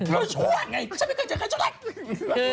เธอชั่วไงฉันไม่เคยเจอใครชั่วไหล่